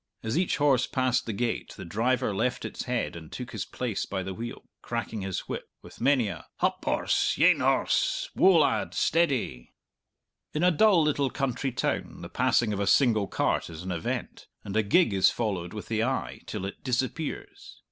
As each horse passed the gate the driver left its head, and took his place by the wheel, cracking his whip, with many a "Hup, horse; yean, horse; woa, lad; steady!" In a dull little country town the passing of a single cart is an event, and a gig is followed with the eye till it disappears.